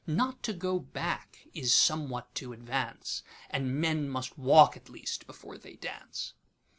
Not to go back is somewhat to advance, And men must walk, at least, before they dance.